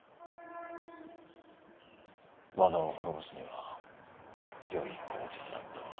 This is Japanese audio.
和田を滅ぼすにはよい口実だったが。